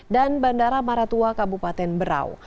dan bandara maratua kabupaten berau